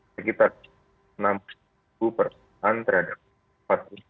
sekitar enam perusahaan terhadap